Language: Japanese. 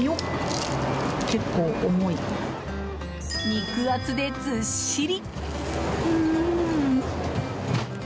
肉厚で、ずっしり。